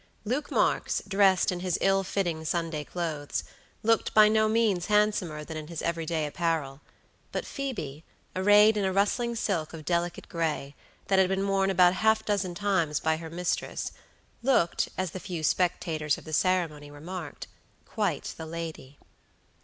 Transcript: Luke Marks, dressed in his ill fitting Sunday clothes, looked by no means handsomer than in his every day apparel; but Phoebe, arrayed in a rustling silk of delicate gray, that had been worn about half a dozen times by her mistress, looked, as the few spectators of the ceremony remarked, "quite the lady."